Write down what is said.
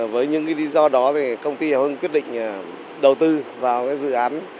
với những lý do đó công ty hào hưng quyết định đầu tư vào dự án